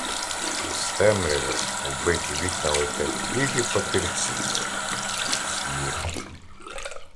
З темряви у биті вікна летять білі папірці — сніг.